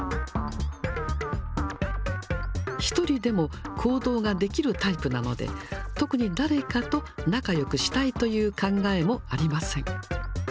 １人でも行動ができるタイプなので、特に誰かと仲よくしたいという考えもありません。